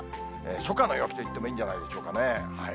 初夏の陽気といってもいいんじゃないでしょうかね。